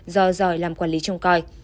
do giỏi làm quản lý trông coi